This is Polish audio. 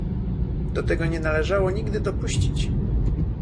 Do tego nie należało nigdy dopuścić